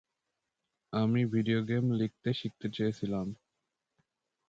আমি video game লিখতে শিখতে চেয়েছিলাম।